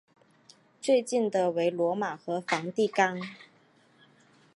最近的为罗马和梵蒂冈。